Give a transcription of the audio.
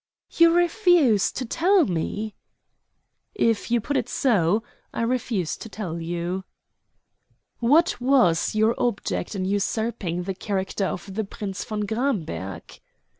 "You refuse to tell me?" "If you put it so, I refuse to tell you." "What was your object in usurping the character of the Prince von Gramberg?"